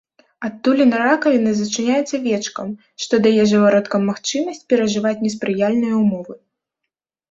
Адтуліна ракавіны зачыняецца вечкам, што дае жывародкам магчымасць перажываць неспрыяльныя ўмовы.